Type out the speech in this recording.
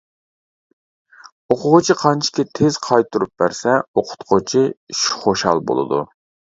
ئوقۇغۇچى قانچىكى تېز «قايتۇرۇپ» بەرسە، ئوقۇتقۇچى خۇشال بولىدۇ.